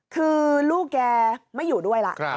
คือลูกแกไม่อยู่ด้วยล่ะ